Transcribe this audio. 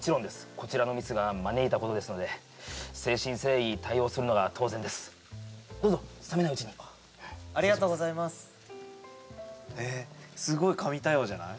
こちらのミスが招いたことですので誠心誠意対応するのが当然ですどうぞ冷めないうちにありがとうございますへーすごい神対応じゃない？